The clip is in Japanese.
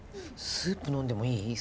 スープ飲んでもいい？